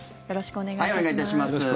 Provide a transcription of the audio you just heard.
よろしくお願いします。